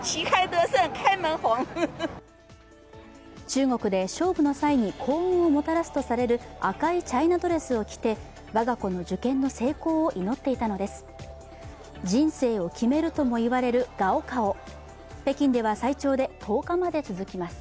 中国で勝負の際に幸運をもたらすとされる赤いチャイナドレスを着て我が子の受験の成功を祈っていたのです。